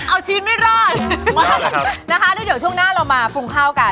เอาชี้ไม่รอดมาเลยครับนะคะด้วยเดี๋ยวช่วงหน้าเรามาปรุงข้ากัน